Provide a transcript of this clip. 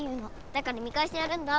だから見かえしてやるんだ。